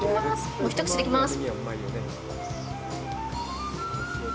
もう一口でいきます。